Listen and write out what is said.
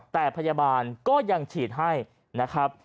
แต่พยาบาลก็ยังฉีดให้นะครับ